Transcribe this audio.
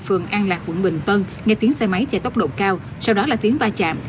phường an lạc quận bình tân nghe tiếng xe máy chạy tốc độ cao sau đó là tiến va chạm